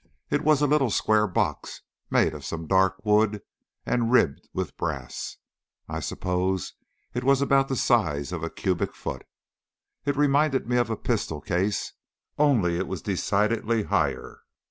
It was a little square box made of some dark wood, and ribbed with brass. I suppose it was about the size of a cubic foot. It reminded me of a pistol case, only it was decidedly higher.